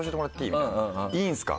「いいんですか？